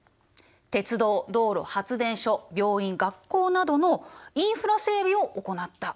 鉄道道路発電所病院学校などのインフラ整備を行った。